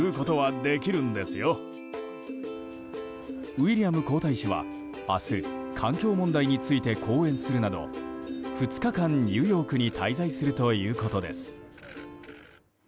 ウィリアム皇太子は明日環境問題について講演するなど２日間、ニューヨークに滞在するということです。